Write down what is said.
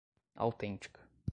autêntica